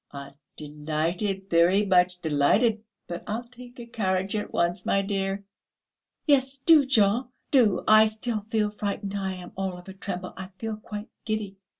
"Ah, delighted, very much delighted!... But I'll take a carriage at once, my dear." "Yes, do, Jean, do; I still feel frightened; I am all of a tremble, I feel quite giddy....